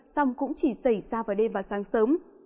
xong cũng chỉ xảy ra vào đêm và sáng sớm